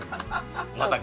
まさか？